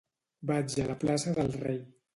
Vaig a la plaça del Rei.